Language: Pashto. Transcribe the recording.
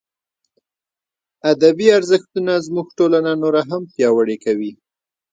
ادبي ارزښتونه زموږ ټولنه نوره هم پیاوړې کوي.